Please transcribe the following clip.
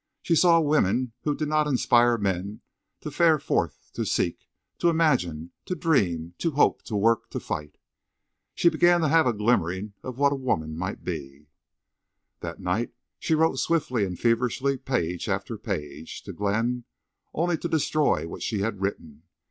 She saw women who did not inspire men to fare forth to seek, to imagine, to dream, to hope, to work, to fight. She began to have a glimmering of what a woman might be. That night she wrote swiftly and feverishly, page after page, to Glenn, only to destroy what she had written.